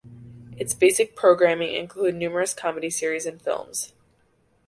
Its basic programming include numerous comedy series and films.